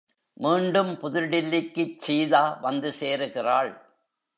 மீண்டும் புதுடில்லிக்குச் சீதா வந்துசேருகிறாள்.